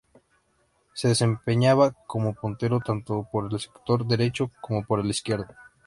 Se desempeñaba como puntero tanto por el sector derecho como por el izquierdo.